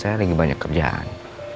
saya lagi banyak kerjaan